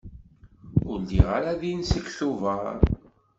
Ur lliɣ ara din seg Tubeṛ.